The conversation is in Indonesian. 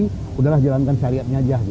sudah jelankan syariatnya saja